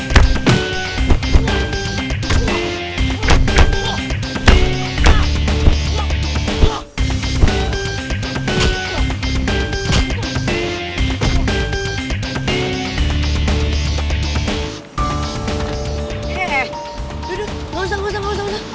duh duh gak usah gak usah gak usah